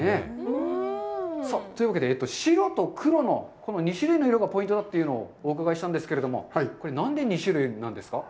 さあ、というわけで、白と黒の２種類の色がポイントだというのをお伺いしたいんですけれども、何で２種類なんですか？